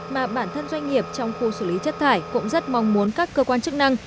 mà bản thân doanh nghiệp trong khu xử lý chất thải cũng rất mong muốn các cơ quan chức năng